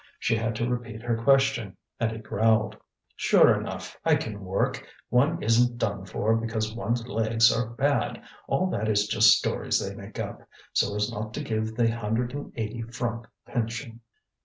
She had to repeat her question, and he growled: "Sure enough, I can work. One isn't done for because one's legs are bad. All that is just stories they make up, so as not to give the hundred and eighty franc pension."